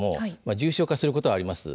重症化することはあります。